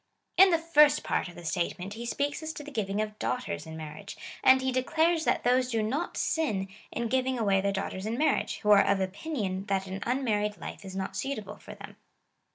In ihefirst part of the statement he speaks as to the giving of daughters in marriage, and he declares that those do not sin in giving away their daughters in marriage, who are of opinion that an unmarried life is not suitable for them.